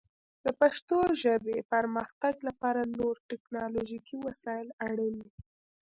د پښتو ژبې پرمختګ لپاره نور ټکنالوژیکي وسایل اړین دي.